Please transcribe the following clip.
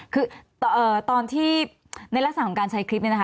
คือตอนที่ในลักษณะของการใช้คลิปนี้นะคะ